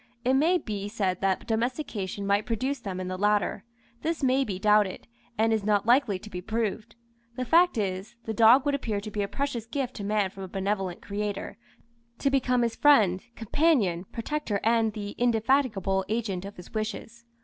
It may be said that domestication might produce them in the latter. This may be doubted, and is not likely to be proved; the fact is, the dog would appear to be a precious gift to man from a benevolent Creator, to become his friend, companion, protector, and the indefatigable agent of his wishes.